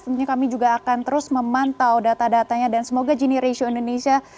tentunya kami juga akan terus memantau data datanya dan semoga gini ratio indonesia